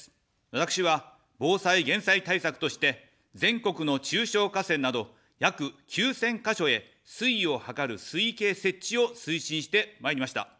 私は防災減災対策として、全国の中小河川など、約９０００か所へ水位を測る水位計設置を推進してまいりました。